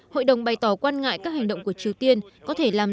hội đồng bày tỏ quan ngại các hành động của triều tiên